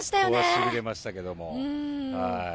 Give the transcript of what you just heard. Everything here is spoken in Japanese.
しびれましたけど。